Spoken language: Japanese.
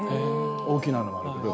大きなのはあるけど。